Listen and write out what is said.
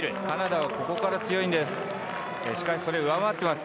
カナダはここから強いんです。